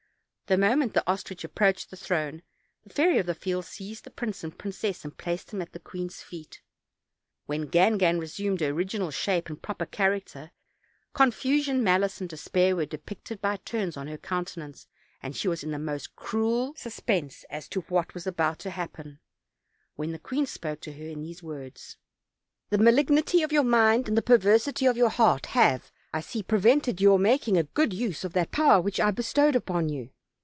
The moment the ostrich approached the throne the Fairy of the Fields seized the prince and princess and placed them at the queen's feet; when Gangan resumed her original shape and proper character, confusion, malice, and despair were depicted by turns on her countenance, and she was in the most cruel suspense as to what was about to happen, when the queen spoke to her in these words: "The malignity of your mind and the perversity of your heart have, I see, prevented your making a good use of that power which I bestowed upon you.